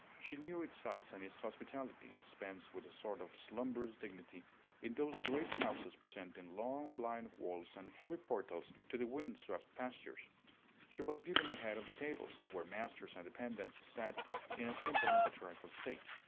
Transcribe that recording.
She knew its sights and its hospitality, dispensed with a sort of slumbrous dignity in those great houses presenting long, blind walls and heavy portals to the wind swept pastures. She was given the head of the tables, where masters and dependants sat in a simple and patriarchal state.